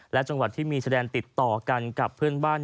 และจังหวัดที่มีแสดงติดต่อกันกับเพื่อนบ้าน